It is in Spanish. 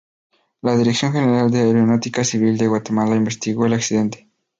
La Dirección General de Aeronáutica Civil de Guatemala investigó el accidente.